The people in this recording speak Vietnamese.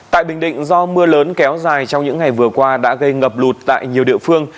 tại bình định do mưa lớn kéo dài trong những ngày vừa qua đã gây ngập lụt tại nhiều địa phương